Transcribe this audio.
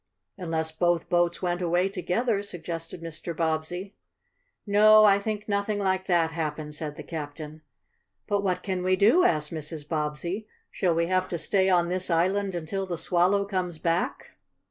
"Unless both boats went away together," suggested Mr. Bobbsey. "No, I think nothing like that happened," said the captain. "But what can we do?" asked Mrs. Bobbsey. "Shall we have to stay on this island until the Swallow comes back?"